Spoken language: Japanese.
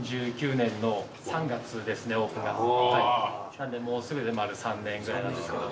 なのでもうすぐで丸３年ぐらいなんですけど。